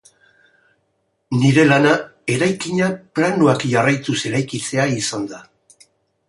Nire lana eraikina planoak jarraituz eraikitzea izan da.